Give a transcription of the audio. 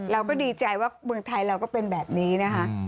เราก็ดีใจว่าเมืองไทยเราก็เป็นแบบนี้นะคะ